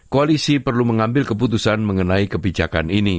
koalisi perlu mengambil keputusan mengenai kebijakan ini